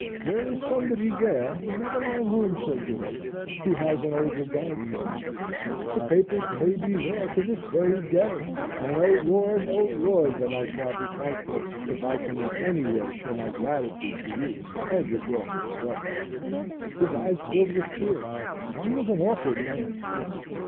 There is somebody there never mind whom, Sir George who has an old regard for me. The papers may be there to this very day, and O Lord, O Lord, but I shall be thankful if I can in any way show my gratitude to you and your glorious brother!" His eyes filled with tears. He was an altered man.